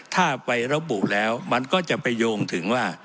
ถ้าไประบุแล้วมันก็จะไปโยงถึงว่า